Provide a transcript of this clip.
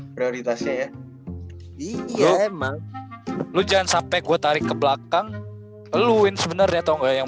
prioritasnya ya iya emang lu jangan sampai gue tarik ke belakang luin sebenarnya atau enggak yang